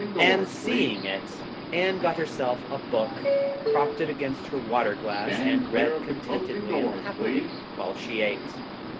And seeing it, Anne got herself a book, propped it against her water glass and read contentedly and happily while she ate.